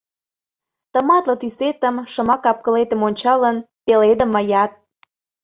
Тыматле тӱсетым, Шыма кап-кылетым Ончалын, пеледым мыят.